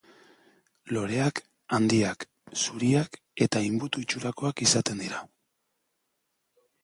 Loreak handiak, zuriak eta inbutu itxurakoak izaten dira.